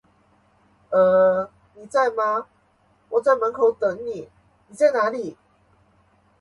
呃…你在吗，我在门口等你，你在哪里？